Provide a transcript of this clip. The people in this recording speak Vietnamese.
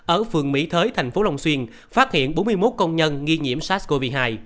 ở phường mỹ thới tp long xuyên phát hiện bốn mươi một công nhân nghi nhiễm sars cov hai